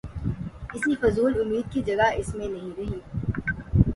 کسی فضول امید کی جگہ اس میں نہیں رہی۔